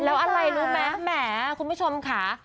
แล้วอะไรรู้ไหมแหมคุณผู้ชมค่ะ